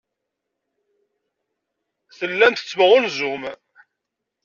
Tellam tettemɣanzum.